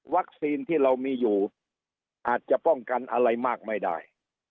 ที่เรามีอยู่อาจจะป้องกันอะไรมากไม่ได้